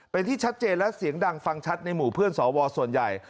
เป็นที่ชัดเจนและเสียงดังฟังชัดในหมู่เพื่อนสวส่วนใหญ่